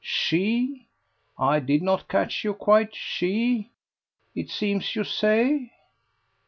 She? I did not catch you quite. She? ... it seems, you say